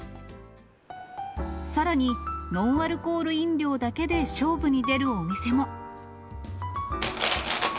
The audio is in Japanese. さらに、ノンアルコール飲料だけで勝負に出るお店も。